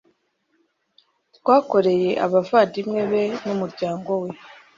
twakoreye abavandimwe be n'umuryango we